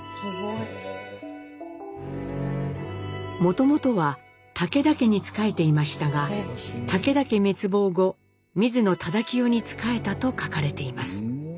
もともとは武田家に仕えていましたが武田家滅亡後水野忠清に仕えたと書かれています。